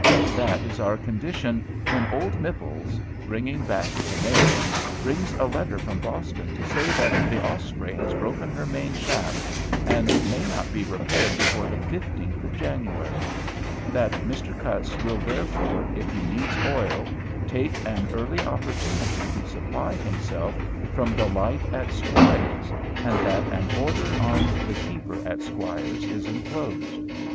That is our condition, when old Mipples, bringing back the mail, brings a letter from Boston to say that the "Osprey" has broken her main shaft, and may not be repaired before the 15th of January, that Mr. Cutts, will therefore, if he needs oil, take an early opportunity to supply himself from the light at Squire's, and that an order on the keeper at Squire's is enclosed.